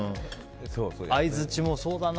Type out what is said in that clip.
相づちもそうだな。